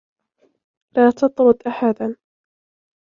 لا تطرد أحدا.